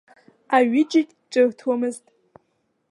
Аҩыџьагь ҿырҭуамызт.